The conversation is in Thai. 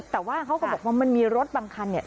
แต่ว่าเขาก็บอกว่ามันมีรถบำคัญ